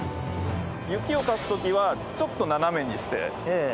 雪をかく時はちょっと斜めにして。